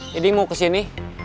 jadi mau kesini